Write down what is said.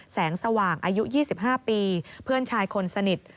แสงสว่างอายุ๒๕ปีเพื่อนชายคนสนิท